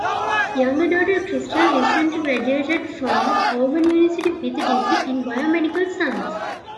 Younger daughter Crystal recently graduated from Auburn University with a degree in BioMedical Science.